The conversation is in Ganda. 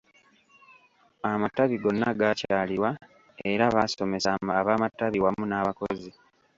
Amatabi gonna gaakyalirwa era baasomesa ab’amatabi wamu n’abakozi.